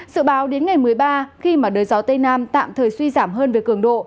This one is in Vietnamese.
sự báo đến ngày một mươi ba khi mà đới gió tây nam tạm thời suy giảm hơn về cường độ